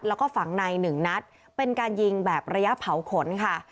แล้วก็ฝังในหนึ่งนัดเป็นการยิงแบบระยะเผาขนค่ะ